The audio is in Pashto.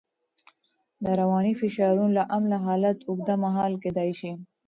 د رواني فشارونو له امله حالت اوږدمهاله کېدای شي.